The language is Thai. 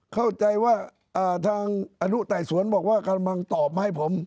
เข้าใจว่าทางอนุไต่สวนบอกว่ากำลังตอบมาให้ผม